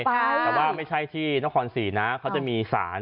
แปลว่าไม่ใช่ที่นครสีจะมีศาล